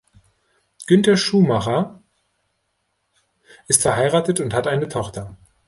Günther Schumacher ist verheiratet und hat eine Tochter.